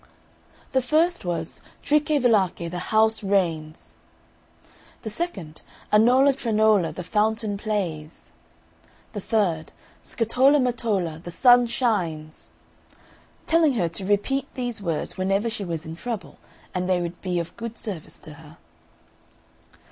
The first was, "Tricche varlacche, the house rains!" the second, "Anola tranola, the fountain plays!"; the third, "Scatola matola, the sun shines!" telling her to repeat these words whenever she was in trouble, and they would be of good service to her.